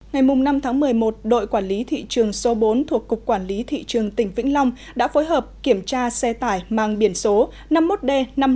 ngày năm một mươi một đội quản lý thị trường số bốn thuộc cục quản lý thị trường tỉnh vĩnh long đã phối hợp kiểm tra xe tải mang biển số năm mươi một d năm mươi năm nghìn bốn trăm bảy mươi bốn